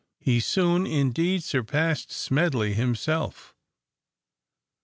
He soon, indeed, surpassed Smedley himself.